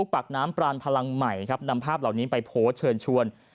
ปากน้ำปรานพลังใหม่ครับนำภาพเหล่านี้ไปโพสต์เชิญชวน